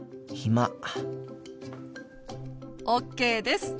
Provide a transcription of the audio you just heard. ＯＫです。